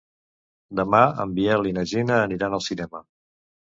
Demà en Biel i na Gina aniran al cinema.